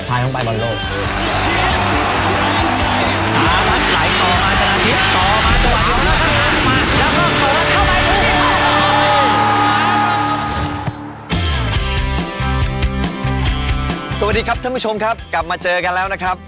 สวัสดีครับท่านผู้ชมครับกลับมาเจอกันแล้วนะครับ